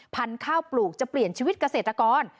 พันธุ์ข้าวปลูกจะเปลี่ยนชีวิตเกษตรกร